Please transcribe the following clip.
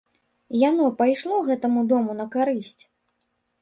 Яно пайшло гэтаму дому на карысць?